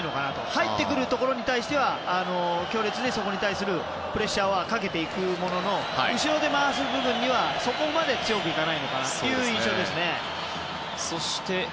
入ってくるところに対しては強烈にプレッシャーはかけていくものの後ろで回す分にはそれほど強くいかないという印象ですね。